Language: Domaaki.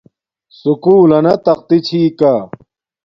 سکُول لنا تقتی چھی کا